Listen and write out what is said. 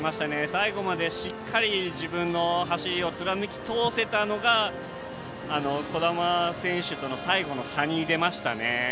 最後までしっかり自分の走りを貫き通せたのが兒玉選手との最後の差に出ましたね。